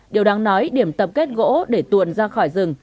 điều đáng nói điểm tập kết gỗ để tuồn ra khỏi rừng